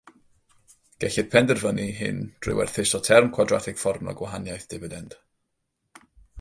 Gellir penderfynu hyn drwy werthuso term cwadratig fformiwla gwahaniaeth difidend.